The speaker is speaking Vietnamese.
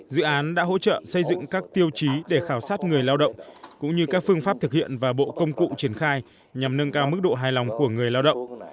dự án đã hỗ trợ xây dựng các tiêu chí để khảo sát người lao động cũng như các phương pháp thực hiện và bộ công cụ triển khai nhằm nâng cao mức độ hài lòng của người lao động